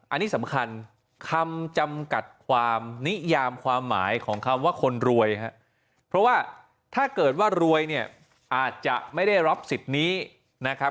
อันนี้สำคัญคำจำกัดความนิยามความหมายของคำว่าคนรวยครับเพราะว่าถ้าเกิดว่ารวยเนี่ยอาจจะไม่ได้รับสิทธิ์นี้นะครับ